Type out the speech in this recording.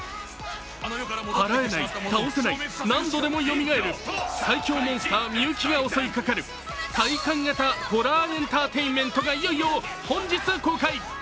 はらえない、倒せない、何度でもよみがえる、最凶モンスター・美雪が襲いかかる体感型ホラーエンターテインメントがいよいよ本日公開。